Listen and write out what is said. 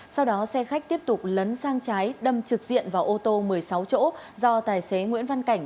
sau đó xe khách tiếp tục lấn sang trái đâm trực diện vào ô tô một mươi sáu chỗ do tài xế nguyễn văn cảnh